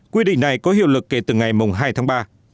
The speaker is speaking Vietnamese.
quy định này có hiệu lực kể từ ngày hai tháng ba